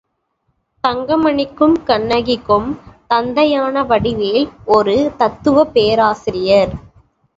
தங்கமணிக்கும் கண்ணகிக்கும் தந்தையான வடிவேல் ஒரு தத்துவப் பேராசிரியர்.